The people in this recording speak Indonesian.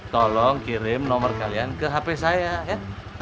tolong kirim nomor kalian ke hp saya ya